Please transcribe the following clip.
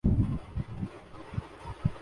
یہاں ایسی لیڈرشپ ہے؟